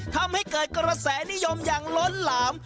ทำให้เกิดกระแสนิยมอย่างล้นหลาม